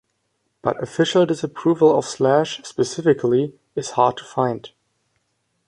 But official disapproval of slash, specifically, is hard to find.